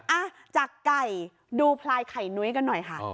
อ่ะจากไก่ดูพลายไข่นุ้ยกันหน่อยค่ะ